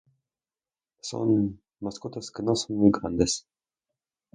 Son mascotas que no son muy grandes.